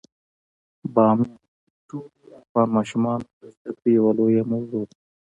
بامیان د ټولو افغان ماشومانو د زده کړې یوه لویه موضوع ده.